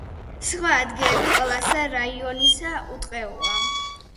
სხვა ადგილები კოლას რაიონისა უტყეოა.